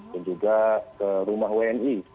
dan juga ke rumah wni